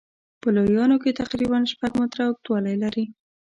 په لویانو کې تقریبا شپږ متره اوږدوالی لري.